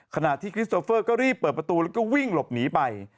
ขณะที่คริสโตเฟอร์ก็รีบเปิดประตูแล้วก็วิ่งหลบหนีไป